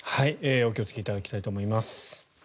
お気をつけいただきたいと思います。